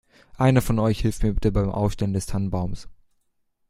Einer von euch hilft mir bitte beim Aufstellen des Tannenbaums.